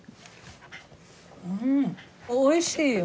うんおいしいよ。